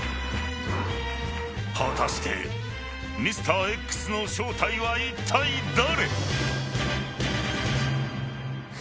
［果たしてミスターＸの正体はいったい誰？］